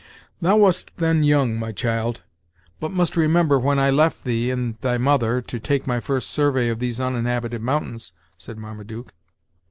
"Thou wast then young, my child, but must remember when I left thee and thy mother, to take my first survey of these uninhabited mountains," said Marmaduke.